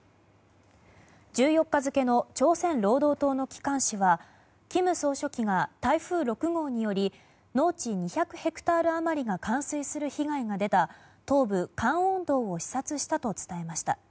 １４日付の朝鮮労働党の機関紙は金総書記が台風６号により農地２００ヘクタール余りが冠水する被害が出た東部カンウォン道を視察したと伝えました。